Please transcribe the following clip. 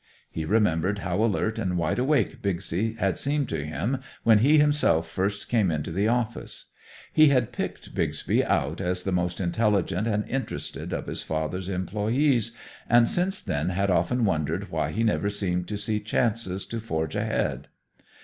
He remembered how alert and wide awake Bixby had seemed to him when he himself first came into the office. He had picked Bixby out as the most intelligent and interested of his father's employees, and since then had often wondered why he never seemed to see chances to forge ahead.